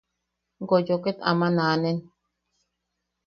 Goyo ket aman aanen.